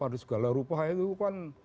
ada segala rupa itu kan